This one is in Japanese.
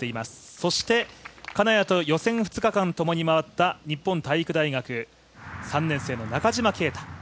そして金谷と予選２日間ともに回った日本体育大学３年生の中島啓太。